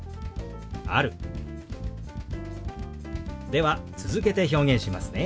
では続けて表現しますね。